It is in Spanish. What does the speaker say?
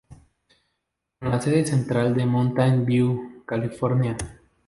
Con la sede central en Mountain View, California.